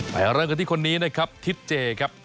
เลยเอาเรื่องที่คนนี้ทิศเจครับ